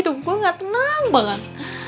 gue gak tenang banget